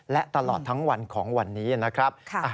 และตลอดทั้งวันของวันนี้นะครับ